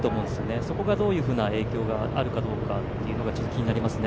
そこがどういうふうな影響があるかどうかが気になりますね。